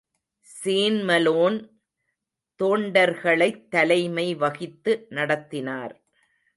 Sean Malone தோண்டர்களைத் தலைமை வகித்து நடத்தினார்.